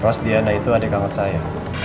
rosdiana itu adik angkat saya